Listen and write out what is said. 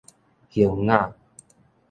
興雅